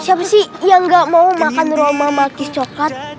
siapa sih yang gak mau makan aroma makis coklat